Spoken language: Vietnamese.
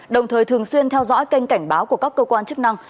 đồng thời thường xuyên theo dõi kênh cảnh báo của các cơ quan chức năng